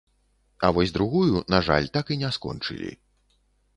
А вось другую, на жаль, так і не скончылі.